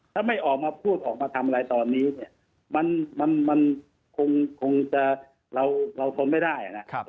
ถ้าไม่ออกมาพูดออกมาทำอะไรตอนนี้เนี่ยมันคงจะเราทนไม่ได้นะ